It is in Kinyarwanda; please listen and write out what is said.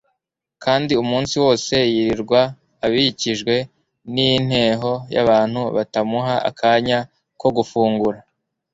kandi umunsi wose yirirwa akikijwe n'inteho y'abantu batamuha akanya ko gufungura.